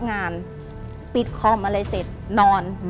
งานปิดคอมอะไรเสร็จนอน